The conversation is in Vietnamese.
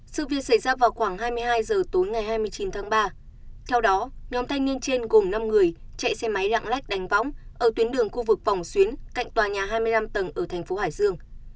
sự việc xảy ra vào khoảng hai mươi hai h tối ngày hai mươi chín tháng ba theo đó nhóm thanh niên trên gồm năm người chạy xe máy lạng lách đánh võng ở tuyến đường khu vực vòng xuyến cạnh tòa nhà hai mươi năm tầng ở thành phố hải dương